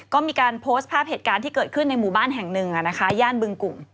ก็มีการโพสต์ภาพเหตุการณ์ที่เกิดขึ้นในหมู่บ้านแห่งหนึ่งย่านบึงกลุ่ม